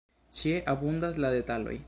Ĉie abundas la detaloj.